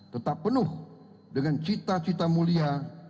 tetap penuh dengan cita cita mulia